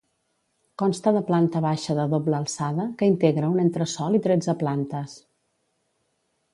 Consta de planta baixa de doble alçada que integra un entresòl i tretze plantes.